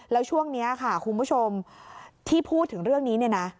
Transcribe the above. แล้วช่วงนี้ค่ะคุณผู้ชมที่พูดถึงเรื่องนี้เนี่ยนะ